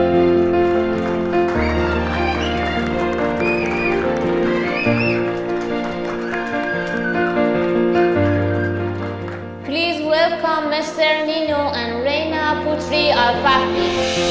silahkan menghubungi mester nino dan reina putri al fahmi